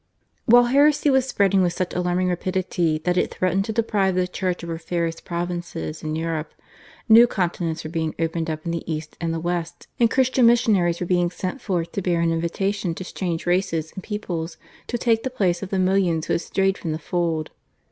While heresy was spreading with such alarming rapidity that it threatened to deprive the Church of her fairest provinces in Europe, new continents were being opened up in the East and the West, and Christian missionaries were being sent forth to bear an invitation to strange races and peoples to take the place of the millions who had strayed from the fold.